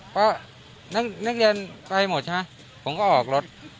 เพราะนักเรียนไปหมดใช่ไหมผมก็ออกรถ